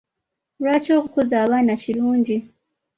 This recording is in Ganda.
Lwaki okukuza abaana kirungi?